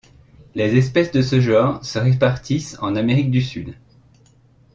Les espèces de ce genre se répartissent en Amérique du Sud.